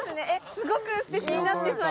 すごく素敵になってそう。